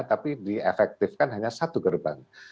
tapi diefektifkan hanya satu gerbang